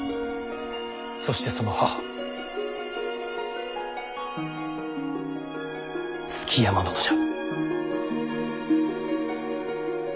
そしてその母築山殿じゃ。